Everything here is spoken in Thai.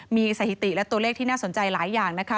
มีสถิติและตัวเลขที่น่าสนใจหลายอย่างนะคะ